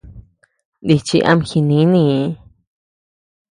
Nichi ama jinìnii.